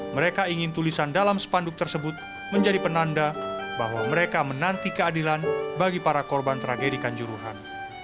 mereka ingin tulisan dalam sepanduk tersebut menjadi penanda bahwa mereka menanti keadilan bagi para korban tragedi kanjuruhan